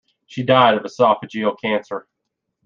She died of oesophagal cancer.